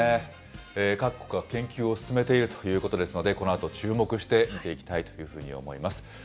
各国が研究を進めているということですので、このあと、注目して見ていきたいというふうに思います。